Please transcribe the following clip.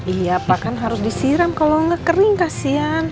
iya pak kan harus disiram kalau gak kering kasian